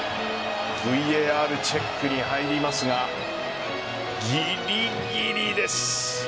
ＶＡＲチェックに入りますがギリギリです。